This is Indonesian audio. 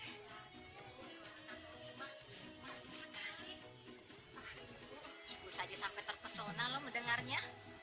ibu saja sampai terpesona lo mendengarnya